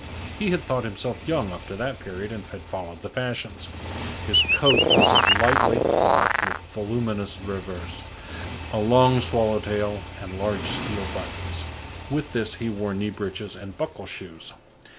He had thought himself young up to that period and had followed the fashions. His coat was of light weight cloth with voluminous revers, a long swallow tail and large steel buttons. With this he wore knee breeches and buckle shoes.